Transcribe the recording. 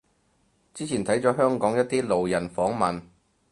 之前睇咗香港一啲路人訪問